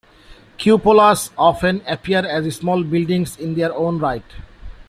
Cupolas often appear as small buildings in their own right.